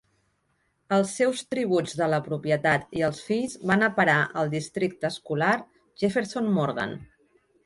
Els seus tributs de la propietat i els fills van a parar al districte escolar Jefferson Morgan.